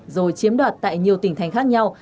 rồi chiếm đoạt tại nhiều tỉnh thành khác nhau